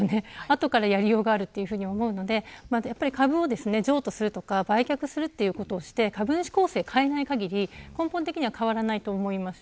後でやりようがあるというか株を譲渡するとか売却するということをして株主構成を変えない限り根本的には変わらないと思います。